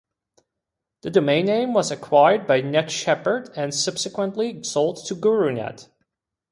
The domain name was acquired by NetShepard and subsequently sold to GuruNet.